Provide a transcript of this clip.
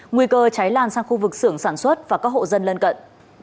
nguy cơ cháy lan sang khu vực xưởng sản xuất và các hộ dân lân cận